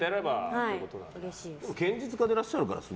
堅実家でいらっしゃるから。